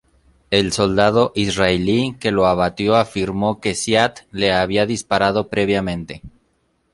El soldado israelí que lo abatió afirmó que Ziad le había disparado previamente.